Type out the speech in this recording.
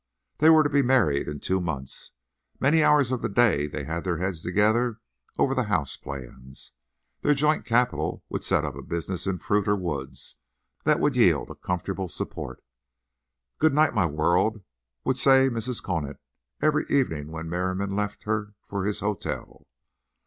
They were to be married in two months. Many hours of the day they had their heads together over the house plans. Their joint capital would set up a business in fruit or woods that would yield a comfortable support. "Good night, my world," would say Mrs. Conant every evening when Merriam left her for his hotel.